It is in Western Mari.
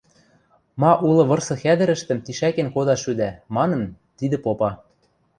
ма улы вырсы хӓдӹрӹштӹм тишӓкен кодаш шӱдӓ... – манын, тидӹ попа.